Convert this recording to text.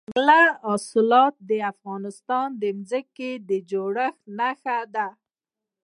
دځنګل حاصلات د افغانستان د ځمکې د جوړښت نښه ده.